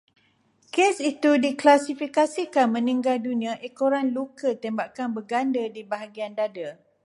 Kes itu diklasifikasikan meninggal dunia ekoran luka tembakan berganda di bahagian dada